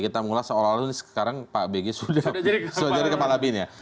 kita mengulas seolah olah ini sekarang pak bg sudah jadi kepala bin ya